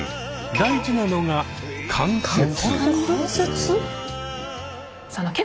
大事なのが「関節」。